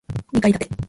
二階建て